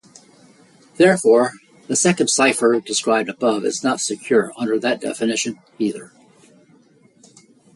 Therefore, the second cipher described above is not secure under that definition, either.